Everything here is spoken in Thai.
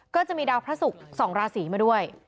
ก็จะมีดาวพระศุกร์๒ราศีมาด้วย